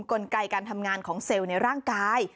กลไกการทำงานของเซลล์ในร่างกาย